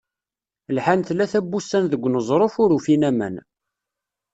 Lḥan tlata n wussan deg uneẓruf, ur ufin aman.